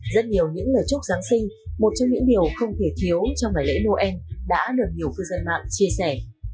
rất nhiều những lời chúc giáng sinh một trong những điều không thể thiếu trong ngày lễ noel đã được nhiều cư dân mạng chia sẻ